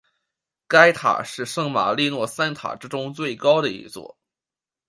该塔是圣马利诺三塔之中最高的一座。